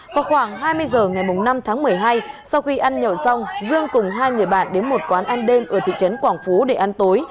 vào khoảng hai mươi h ngày năm tháng một mươi hai sau khi ăn nhậu xong dương cùng hai người bạn đến một quán ăn đêm ở thị trấn quảng phú để ăn tối